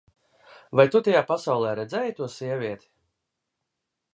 Vai tu tajā pasaulē redzēji to sievieti?